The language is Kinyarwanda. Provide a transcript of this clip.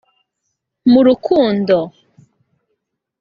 mu rukundo